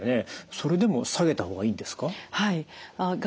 それでも下げた方がいいんですか？